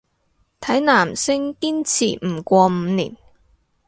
睇男星堅持唔過五年